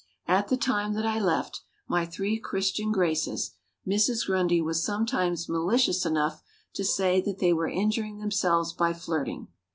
At the time that I left my three Christian Graces, Mrs. Grundy was sometimes malicious enough to say that they were injuring themselves by flirting.